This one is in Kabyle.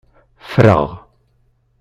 Ffreɣ.